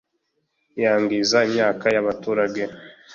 yangiza imyaka y’abaturage